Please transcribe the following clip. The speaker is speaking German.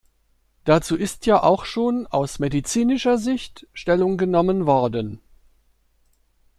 Dazu ist ja auch schon aus medizinischer Sicht Stellung genommen worden.